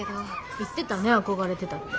言ってたね憧れてたって。